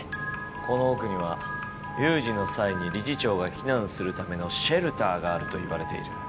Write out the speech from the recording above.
この奥には有事の際に理事長が避難するためのシェルターがあるといわれている。